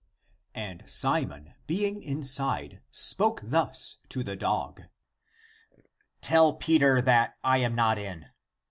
And Simon being inside, spoke thus to the dog :" Tell Peter that I am not in."